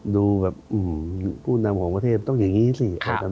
ดูแบบผู้นำของประเทศต้องอย่างนี้สิ